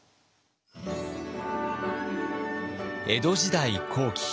江戸時代後期。